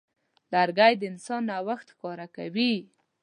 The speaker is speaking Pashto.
لرګی د انسان نوښت ښکاره کوي.